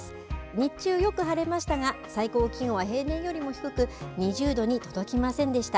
日中よく晴れましたが最高気温は平年よりも低く２０度に届きませんでした。